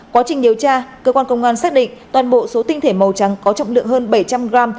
quá trình điều tra cơ quan công an xác định toàn bộ số tinh thể màu trắng có trọng lượng hơn bảy trăm linh g